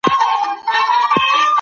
څېړونکی له سهار راهیسې کتابونه لولي.